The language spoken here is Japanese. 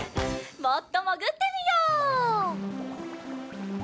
もっともぐってみよう。